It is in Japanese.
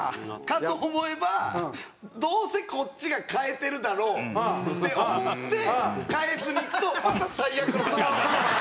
かと思えばどうせこっちが変えてるだろうって思って変えずにいくとまた最悪のパターンです。